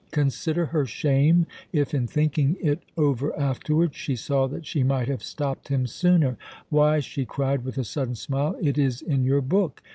Consider her shame if, in thinking it over afterwards, she saw that she might have stopped him sooner! Why," she cried, with a sudden smile, "it is in your book!